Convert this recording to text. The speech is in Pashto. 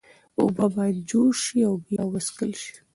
اوبه باید جوش شي او بیا وڅښل شي.